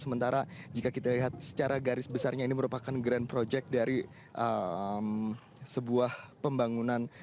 sementara jika kita lihat secara garis besarnya ini merupakan grand project dari sebuah pembangunan